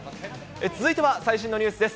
続いては、最新のニュースです。